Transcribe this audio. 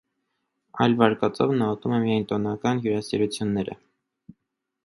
Այլ վարկածով նա ուտում է միայն տոնական հյուրասիրությունները։